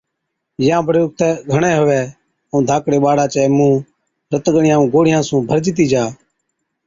يان بڙي ڏُکتَي گھڻَي هُوَي ائُون ڌاڪڙي ٻاڙا چَي مُونه رت ڳڙِيان ائُون گوڙهِيان سُون ڀرجتِي جا